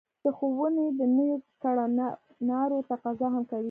د ښوونې د نويو کړنلارو تقاضا هم کوي.